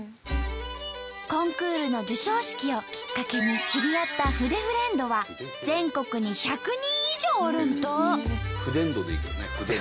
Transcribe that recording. コンクールの授賞式をきっかけに知り合った「筆フレンド」は全国に１００人以上おるんと！